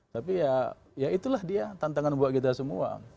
tapi ya ya itulah dia tantangan buat kita semua